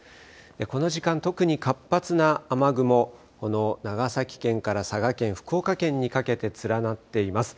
この時間、特に活発な雨雲、長崎県から佐賀県、福岡県にかけて連なっています。